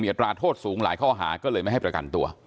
อัตราโทษสูงหลายข้อหาก็เลยไม่ให้ประกันตัว